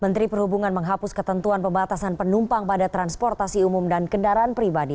menteri perhubungan menghapus ketentuan pembatasan penumpang pada transportasi umum dan kendaraan pribadi